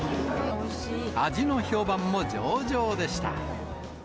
味の評判も上々でした。